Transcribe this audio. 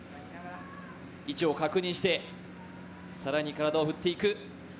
位置を確認して、更に体を振っていく。